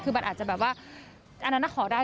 คือมันอาจจะแบบว่าอันนั้นขอได้